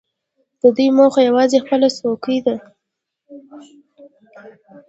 د دوی موخه یوازې خپله څوکۍ ده.